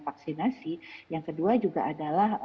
vaksinasi yang kedua juga adalah